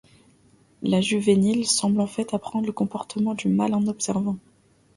Le juvénile semble, en fait, apprendre le comportement du mâle en observant.